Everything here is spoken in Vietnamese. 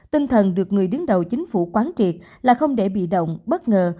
tinh thần được người đứng đầu chính phủ quán triệt là không để bị động bất ngờ